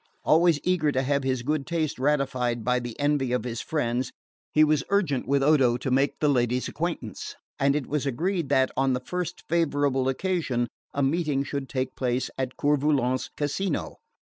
Always eager to have his good taste ratified by the envy of his friends, he was urgent with Odo to make the lady's acquaintance, and it was agreed that, on the first favourable occasion, a meeting should take place at Coeur Volant's casino.